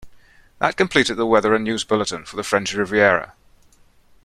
That completed the weather and news bulletin for the French Riviera.